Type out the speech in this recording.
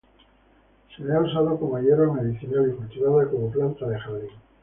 Se la ha usado como hierba medicinal, y cultivada como planta de jardín.